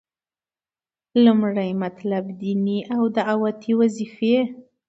لومړی مطلب - ديني او دعوتي وظيفي: